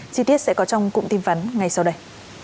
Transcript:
chi tiết sẽ có trong cụm tin vắn ngay sau đây